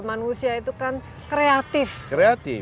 manusia itu kan kreatif